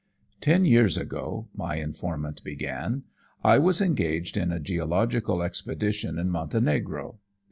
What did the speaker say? "Ten years ago," my informant began, "I was engaged in a geological expedition in Montenegro.